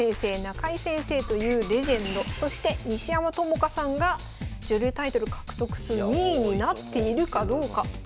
中井先生というレジェンドそして西山朋佳さんが女流タイトル獲得数２位になっているかどうか。